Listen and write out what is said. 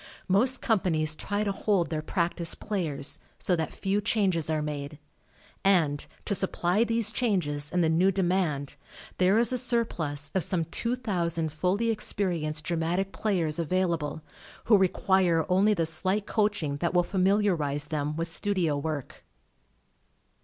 Most companies try to hold their practised players, so that few changes are made, and, to supply these changes and the new demand, there is a surplus of some 2,000 fully experienced dramatic players avail able, who require only the slight coach ing that will familiarize them with studio work.